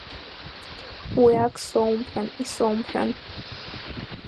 Уиак соумҳәан, исоумҳәан.